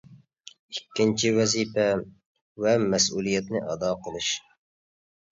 ئىككىنچى، ۋەزىپە ۋە مەسئۇلىيەتنى ئادا قىلىش.